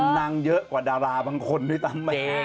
นางเยอะกว่าดาราบางคนไม่ต้องไป